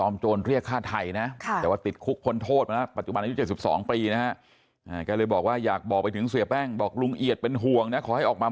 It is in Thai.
มอบตัวก็ตายหลักลูกหลักเมียหลักพ่อหลักแม่